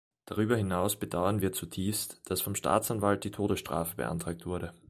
Darüber hinaus bedauern wir zutiefst, dass vom Staatsanwalt die Todesstrafe beantragt wurde.